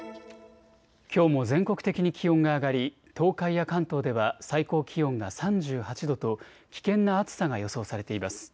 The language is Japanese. きょうも全国的に気温が上がり東海や関東では最高気温が３８度と危険な暑さが予想されています。